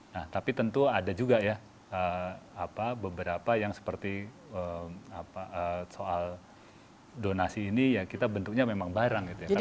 nah tapi tentu ada juga ya beberapa yang seperti soal donasi ini ya kita bentuknya memang barang gitu ya